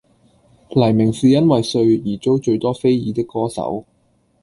黎明是因為“帥”而遭最多非議的歌手